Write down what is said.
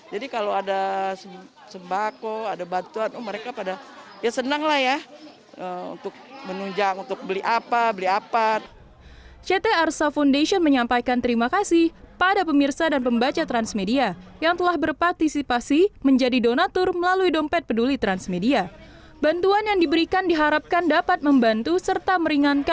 jadi kalau ada sembako ada bantuan mereka pada senang lah ya untuk menunjang untuk beli apa beli apa